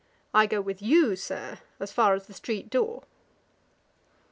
I go with you, Sir, as far as the street door.'